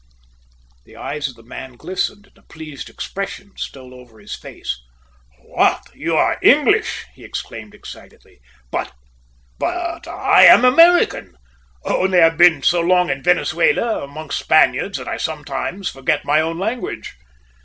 The eyes of the man glistened and a pleased expression stole over his face. "What! You are English! he exclaimed excitedly. But but I'm an American! Only I've been so long in Venezuela amongst Spaniards that I sometimes forget my own language."